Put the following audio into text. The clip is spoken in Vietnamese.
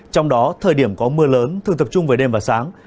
trong đó thời điểm có mưa lớn thường tập trung về đêm và sáng